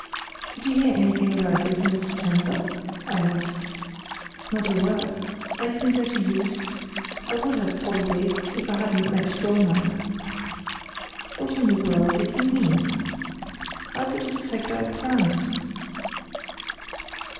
"Did you hear anything about this in September?" I asked. "Not a word. I didn't go to Juist. I would have, probably, if I hadn't met Dollmann." What in the world did it mean? How did it affect our plans?